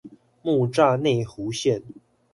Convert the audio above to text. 木柵內湖線